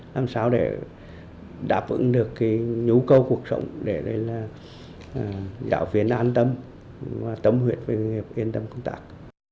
làm sao để đáp ứng được nhú cầu cuộc sống để giáo viên an tâm và tâm huyệt về nghiệp yên tâm công tác